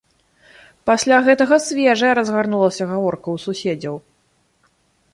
Пасля гэтага свежая разгарнулася гаворка ў суседзяў.